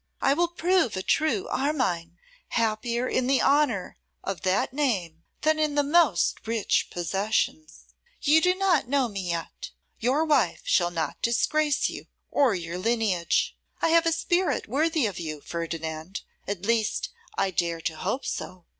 'I will prove a true Armine. Happier in the honour of that name, than in the most rich possessions! You do not know me yet. Your wife shall not disgrace you or your lineage. I have a spirit worthy of you, Ferdinand; at least, I dare to hope so.